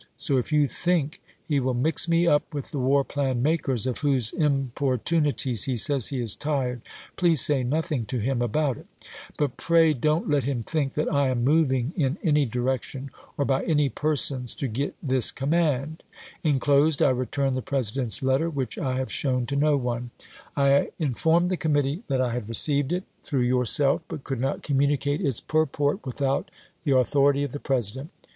So if you think he will mix me up with the war plan makers of whose importunities he says he is tired, please say nothing to him about it. But pray don't let him think that I am moving in any direction, or by any persons, to get this command. Inclosed I return the President's letter, which I have shown to no one. I NEGEO SOLDIEES 459 informed tlie committee that I had received it, through cuap.xx. yourself, but could not communicate its purport without the authority of the President.